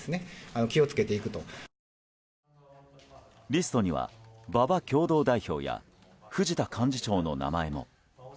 リストには馬場共同代表や藤田幹事長の名前も。